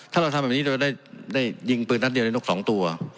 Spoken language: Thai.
ถ้าเราทำแบบนี้เราจะได้ยิงปืนนัดเดียวในนก๒ตัว